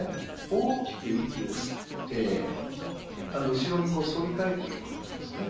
大きく息を吸って、後ろにこうそり返っていくことなんですね。